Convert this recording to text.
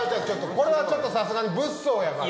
これはちょっとさすがに物騒やから。